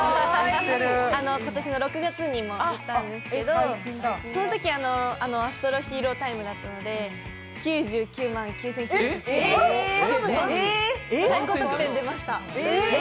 今年の６月にも行ったんですけど、そのときアストロヒーロータイムだったので９９万９９９９点、最高得点出ました。